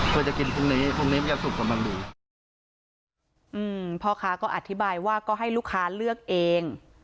เพื่อจะกินพรุ่งนี้พรุ่งนี้มันจะสุกกับมันดีอืมพ่อค้าก็อธิบายว่าก็ให้ลูกค้าเลือกเอง